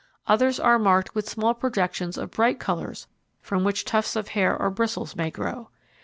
Others are marked with small projections of bright colours from which tufts of hair or bristles may grow.